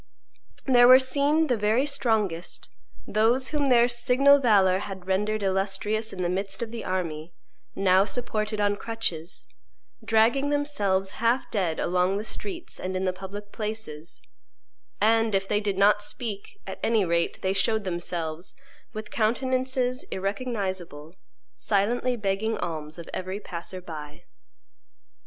There were seen the very strongest, those whom their signal valor had rendered illustrious in the midst of the army, now supported on crutches, dragging themselves half dead along the streets and in the public places; and, if they did not speak, at any rate they showed themselves, with countenances irrecognizable, silently begging alms of every passer by.